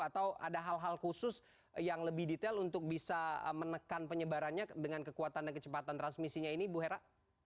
atau ada hal hal khusus yang lebih detail untuk bisa menekan penyebarannya dengan kekuatan dan kecepatan transmisinya ini bu hera